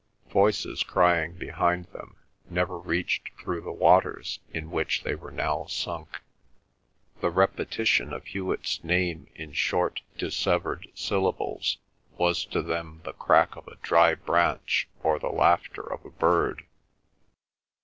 Voices crying behind them never reached through the waters in which they were now sunk. The repetition of Hewet's name in short, dissevered syllables was to them the crack of a dry branch or the laughter of a bird.